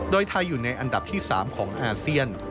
โดยไทยอยู่ในอันดับที่๓ของอาเซียน